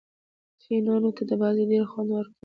فېنانو ته بازي ډېره خوند ورکوي.